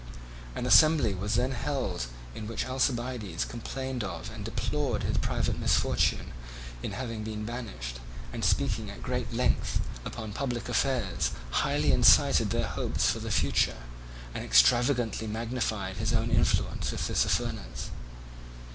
An assembly was then held in which Alcibiades complained of and deplored his private misfortune in having been banished, and speaking at great length upon public affairs, highly incited their hopes for the future, and extravagantly magnified his own influence with Tissaphernes.